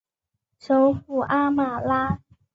首府阿马拉。